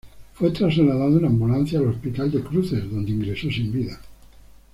Fue trasladado en ambulancia al hospital de Cruces, donde ingresó sin vida.